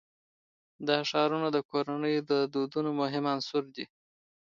دا ښارونه د کورنیو د دودونو مهم عنصر دی.